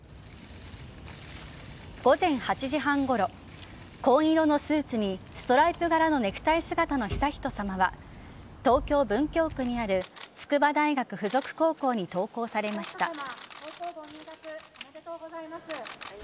午前８時半ごろ紺色のスーツにストライプ柄のネクタイ姿の悠仁さまは東京・文京区にある筑波大学附属高校に登校されました。